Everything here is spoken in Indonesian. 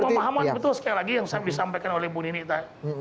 karena pemahaman betul sekali lagi yang saya bisa sampaikan oleh bu nini tadi